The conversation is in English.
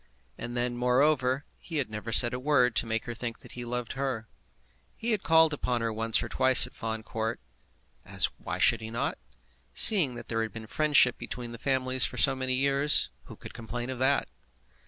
And then, moreover, he had never said a word to make her think that he loved her. He had called on her once or twice at Fawn Court, as why should he not? Seeing that there had been friendship between the families for so many years, who could complain of that?